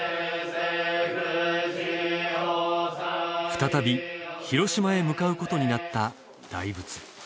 再び広島へ向かうことになった大仏。